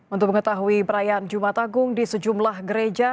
untuk mengetahui perayaan jumat agung di sejumlah gereja